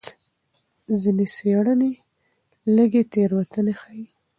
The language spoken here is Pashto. ځینې څېړنې لږې تېروتنې ښيي.